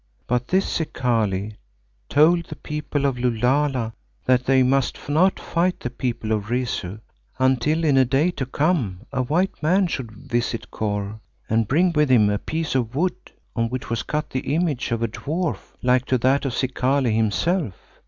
But this Zikali told the People of Lulala that they must not fight the People of Rezu until in a day to come a white man should visit Kôr and bring with him a piece of wood on which was cut the image of a dwarf like to that of Zikali himself.